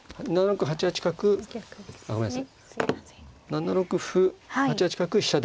７六歩８八角飛車